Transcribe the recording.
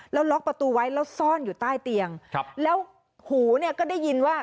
แล้วล็อกประตูไว้แล้วซ่อนอยู่ใต้เตียงครับแล้วหูเนี่ยก็ได้ยินว่า